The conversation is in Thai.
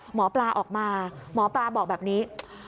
หมอปลาออกมาหมอปลาบอกแบบนี้